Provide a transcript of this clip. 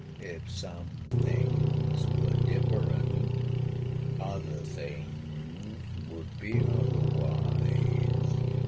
If some things were different, other things would be otherwise.